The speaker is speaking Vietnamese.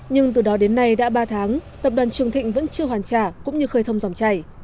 nhưng từ đó đến nay đã ba tháng tập đoàn trường thịnh vẫn chưa hoàn trả cũng như khơi thông dòng chảy